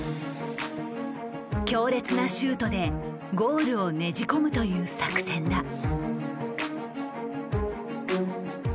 強烈なシュートでゴールを捻じ込むという作戦だ。